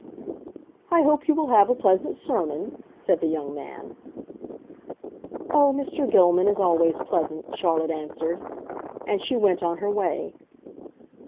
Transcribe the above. "I hope you will have a pleasant sermon," said the young man. "Oh, Mr. Gilman is always pleasant," Charlotte answered. And she went on her way.